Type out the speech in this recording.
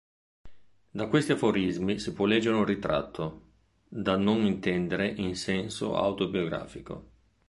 Da questi aforismi si può leggere un ritratto, da non intendere in senso autobiografico.